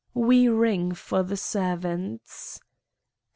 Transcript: We ring for the servants.